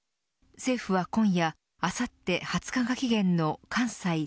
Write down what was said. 政府は今夜あさって２０日が期限の関西３